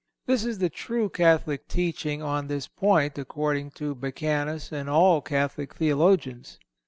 (301) This is the true Catholic teaching on this point, according to Becanus and all Catholic theologians.